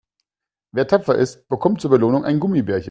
Wer tapfer ist, bekommt zur Belohnung ein Gummibärchen.